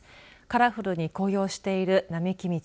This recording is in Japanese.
カラフルに紅葉している並木道。